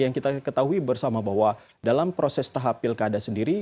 yang kita ketahui bersama bahwa dalam proses tahap pilkada sendiri